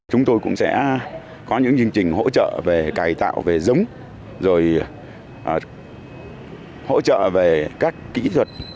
chúng tôi cũng sẽ có những chương trình hỗ trợ về cài tạo về giống rồi hỗ trợ về các kỹ thuật